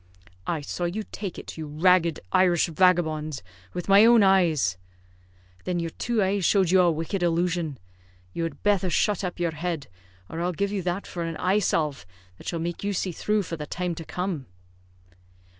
"I saw you take it, you ragged Irish vagabond, with my own eyes." "Thin yer two eyes showed you a wicked illusion. You had betther shut up yer head, or I'll give you that for an eye salve that shall make you see thrue for the time to come."